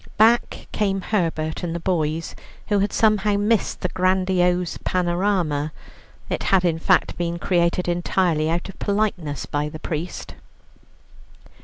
Back came Herbert and the boys, who had somehow missed the grandiose panorama. It had, in fact, been created entirely out of politeness by the priest.